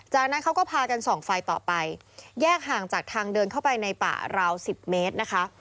จากนั้นเขาก็พากันส่องไฟต่อไปแยกห่างจากทางเดินเข้าไปในป่าราว๑๐เมตรนะคะ